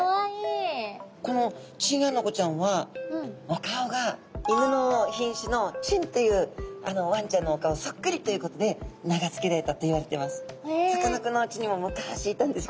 このチンアナゴちゃんはお顔が犬の品種の狆というワンちゃんのお顔そっくりっていうことで名がつけられたといわれてます。